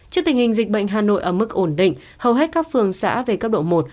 trước tình hình dịch bệnh hà nội ở mức ổn định hầu hết các phường xã về cấp độ một